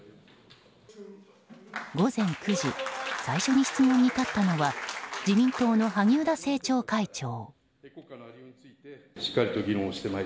午前９時最初に質問に立ったのは自民党の萩生田政調会長。